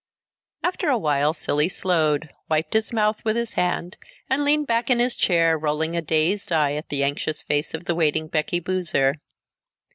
After a while Cilley slowed, wiped his mouth with his hand and leaned back in his chair, rolling a dazed eye at the anxious face of the waiting Becky Boozer.